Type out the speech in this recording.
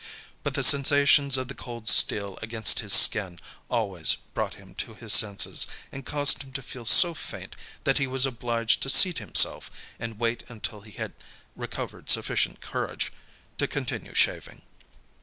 But the sensations of the cold steel against his skin always brought him to his senses, and caused him to feel so faint that he was obliged to seat himself, and wait until he had recovered sufficient courage to continue shaving.